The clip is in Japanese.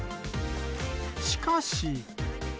しかし。